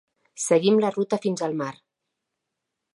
Seguim la ruta fins al mar!